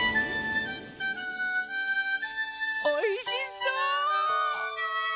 おいしそう！